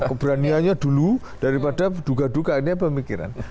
keberaniannya dulu daripada duga duka ini apa pemikiran